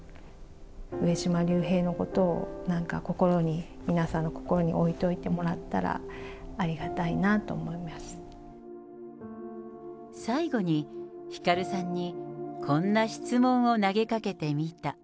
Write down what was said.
上島竜兵のことを、なんか心に、皆さんの心に置いといてもらったら、最後に、ひかるさんにこんな質問を投げかけてみた。